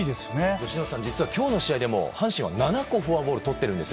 由伸さん、実は今日の試合でも阪神は７個フォアボールとっているんです。